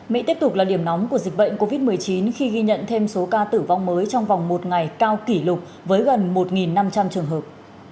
mỹ tiếp tục là điểm nóng của dịch bệnh covid một mươi chín khi ghi nhận thêm số ca tử vong mới trong vòng một ngày cao kỷ lục với gần một năm trăm linh trường hợp